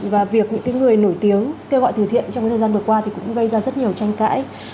và việc những người nổi tiếng kêu gọi từ thiện trong thời gian vừa qua thì cũng gây ra rất nhiều tranh cãi